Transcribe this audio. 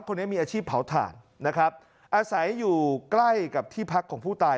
คนนี้มีอาชีพเผาถ่านนะครับอาศัยอยู่ใกล้กับที่พักของผู้ตาย